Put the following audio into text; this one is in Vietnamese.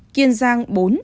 kiên giang bốn